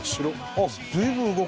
あっ随分動くね！